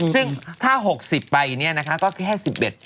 ซึ่งถ้า๖๐ไปก็แค่๑๑